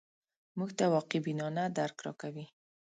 موږ ته واقع بینانه درک راکوي